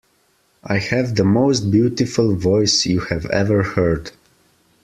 I have the most beautiful voice you have ever heard.